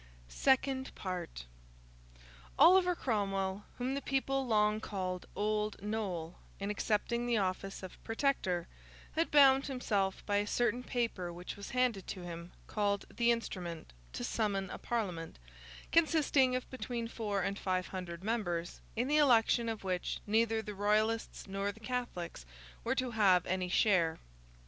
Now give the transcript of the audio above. SECOND PART Oliver Cromwell—whom the people long called Old Noll—in accepting the office of Protector, had bound himself by a certain paper which was handed to him, called 'the Instrument,' to summon a Parliament, consisting of between four and five hundred members, in the election of which neither the Royalists nor the Catholics were to have any share.